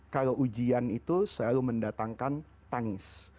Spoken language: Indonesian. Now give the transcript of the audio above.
kalau ujian itu selalu mendatangkan tangis